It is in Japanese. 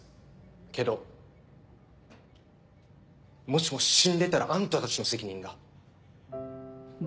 けどもしも死んでたらあんたたちの責任だ。